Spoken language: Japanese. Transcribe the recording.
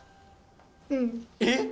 うん。えっ？